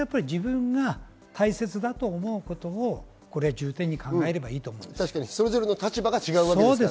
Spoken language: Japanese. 自分が大切だと思うことを重点に考えればいいと思います。